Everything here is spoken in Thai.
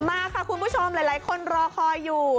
มาค่ะคุณผู้ชมหลายคนรอคอยอยู่